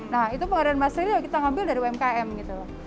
nah itu pengadaan material kita ngambil dari umkm gitu loh